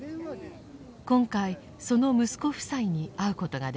今回その息子夫妻に会うことができました。